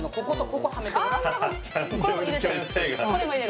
これも入れる？